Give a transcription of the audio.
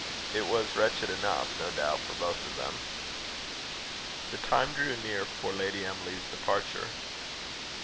It was wretched enough, no doubt, for both of them. The time drew near for Lady Emily's departure.